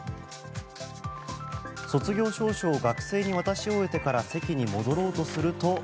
卒業証書を学生に渡し終えてから席に戻ろうとすると。